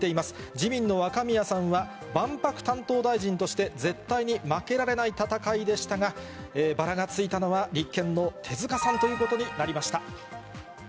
自民の若宮さんは、万博担当大臣として、絶対に負けられない戦いでしたが、バラがついたのは、立憲の手塚さんということになりました。